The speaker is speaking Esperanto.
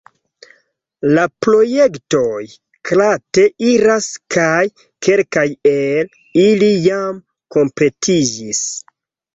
La projektoj glate iras kaj kelkaj el ili jam kompletiĝis.